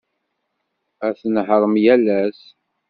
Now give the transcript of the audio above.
Ad tnehhṛem yal ass.